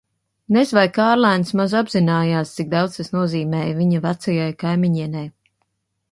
Nez vai Kārlēns maz apzinājās, cik daudz tas nozīmēja viņa vecajai kaimiņienei.